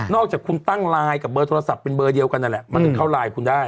อกจากคุณตั้งไลน์กับเบอร์โทรศัพท์เป็นเบอร์เดียวกันนั่นแหละมันถึงเข้าไลน์คุณได้